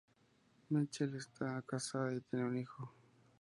Mitchell está casada y tiene un hijo.